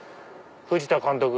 藤田監督！